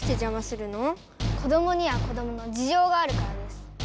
子どもには子どものじじょうがあるからです。